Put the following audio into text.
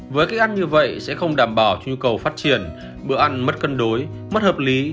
với cách ăn như vậy sẽ không đảm bảo nhu cầu phát triển bữa ăn mất cân đối mất hợp lý